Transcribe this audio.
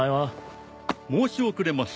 申し遅れました。